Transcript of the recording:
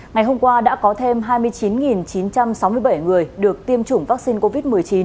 ngày hôm qua đã có thêm hai mươi chín chín trăm sáu mươi bảy người được tiêm chủng vaccine covid một mươi chín